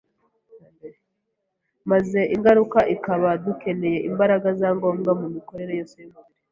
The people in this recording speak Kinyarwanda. maze ingaruka ikaba gukenera imbaraga za ngombwa mu mikorere yose y’umubiri.